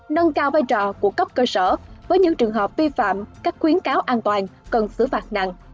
nâng cao vai trò của cấp cơ sở với những trường hợp vi phạm các khuyến cáo an toàn cần xử phạt nặng